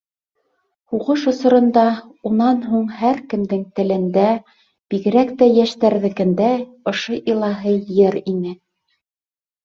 Һуғыш осоронда, унан һуң һәр кемдең телендә, бигерәк тә йәштәрҙекеңдә, ошо илаһи йыр ине.